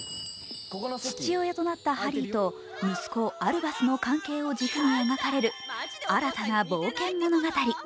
父親となったハリーと息子・アルバスの関係を軸に描かれる新たな冒険物語。